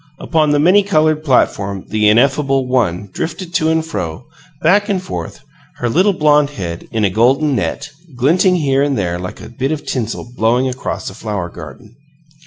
Upon the many colored platform the ineffable One drifted to and fro, back and forth; her little blonde head, in a golden net, glinting here and there like a bit of tinsel blowing across a flower garden.